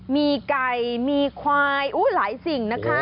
มีไก่มีควายหลายสิ่งนะคะ